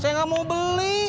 saya ga mau beli